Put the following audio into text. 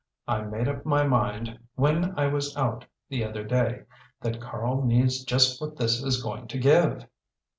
I made up my mind when I was out the other day that Karl needs just what this is going to give."